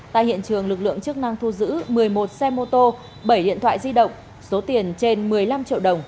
tại hiện trường lực lượng chức năng thu giữ một mươi một xe mô tô bảy điện thoại di động số tiền trên một mươi năm triệu đồng